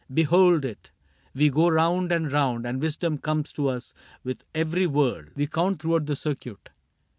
Behold it. We go round and round. And wisdom comes to us with every whirl We count throughout the circuit.